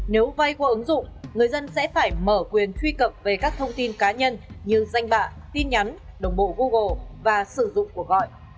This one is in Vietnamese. nếu vay qua ứng dụng người dân sẽ phải mở quyền truy cập về các thông tin cá nhân như danh bạ tin nhắn đồng bộ google và sử dụng cuộc gọi